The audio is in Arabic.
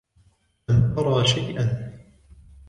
لم أرى شيئا.